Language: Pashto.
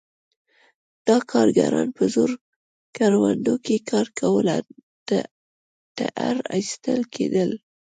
دا کارګران په زور کروندو کې کار کولو ته اړ ایستل کېدل.